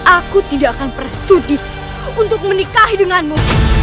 aku tidak akan pernah sedih untuk menikahi denganmu